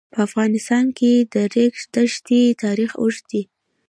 په افغانستان کې د د ریګ دښتې تاریخ اوږد دی.